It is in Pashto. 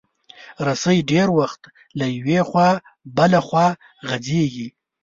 رسۍ ډېر وخت له یوې خوا بله خوا غځېږي.